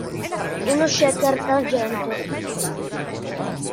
Uno shaker d'argento.